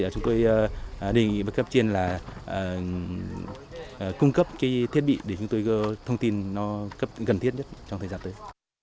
chúng tôi đề nghị bất cấp trên là cung cấp cái thiết bị để chúng tôi có thông tin nó gần thiết nhất trong thời gian tới